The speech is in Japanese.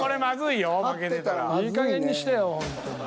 いいかげんにしてよほんとに。